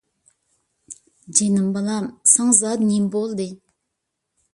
جېنىم بالام، ساڭا زادى نېمە بولدى؟